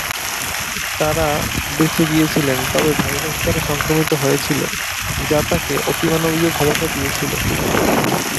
তারা বেঁচে গিয়েছিলেন, তবে ভাইরাস দ্বারা সংক্রামিত হয়েছিল, যা তাকে অতিমানবীয় ক্ষমতা দিয়েছিল।